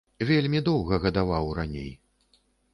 Вельмі доўга гадаваў раней.